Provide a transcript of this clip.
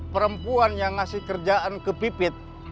perempuan yang ngasih kerjaan ke pipit